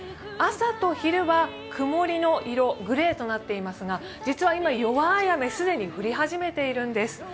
朝と昼は曇りの色、グレーとなっていますが、実は今、弱い雨既に降り始めているんです。